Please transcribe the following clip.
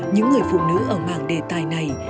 những người phụ nữ ở mạng đề tài này